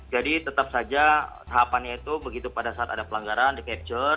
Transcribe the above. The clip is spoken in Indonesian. jadi tetap saja tahapannya itu begitu pada saat ada pelanggaran di capture